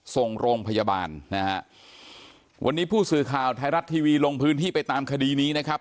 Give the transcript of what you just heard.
ส่งโรงพยาบาลนะฮะวันนี้ผู้สื่อข่าวไทยรัฐทีวีลงพื้นที่ไปตามคดีนี้นะครับ